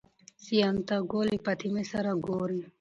سانتیاګو له فاطمې سره ګوري.